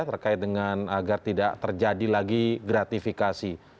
terkait dengan agar tidak terjadi lagi gratifikasi